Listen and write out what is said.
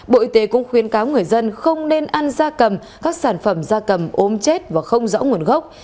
bộ y tế cũng khuyên cáo người dân không nên ăn da cầm các sản phẩm da cầm ốm chết và không rõ nguồn gốc